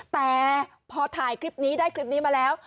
แต่พอถ่ายคลิปนี้ได้คลิปนี้มาแล้ว